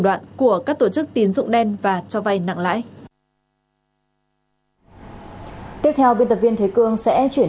đoạn của các tổ chức tín dụng đen và cho vay nặng lãi tiếp theo biên tập viên thế cương sẽ chuyển